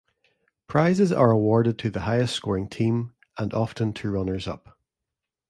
Prizes are awarded to the highest scoring team, and often to runners-up.